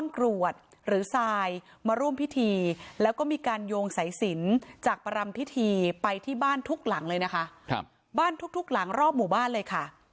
กรวดหรือทรายมาร่วมพิธีแล้วก็มีการโยงสายสินจากปรัมพิธีไปที่บ้านทุกหลังเลยนะคะครับบ้านทุกทุกหลังรอบหมู่บ้านเลยค่ะ